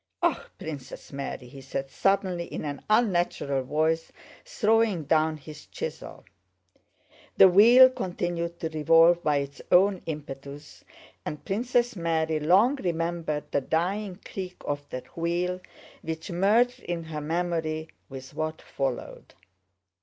"Ah, Princess Mary!" he said suddenly in an unnatural voice, throwing down his chisel. (The wheel continued to revolve by its own impetus, and Princess Mary long remembered the dying creak of that wheel, which merged in her memory with what followed.)